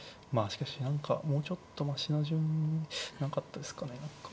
しかし何かもうちょっとましな順なかったですかね何か。